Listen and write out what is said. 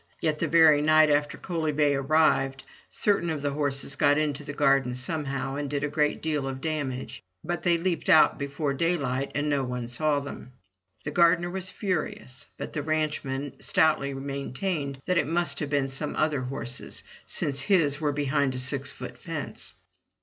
Yet the very night after Coaly bay arrived, certain of the horses got into the garden somehow and did a great deal of damage. But they leaped out before daylight and no one saw them. The gardener was furious, but the ranchman stoutly maintained that it must have been some other horses, since his were behind a six foot fence.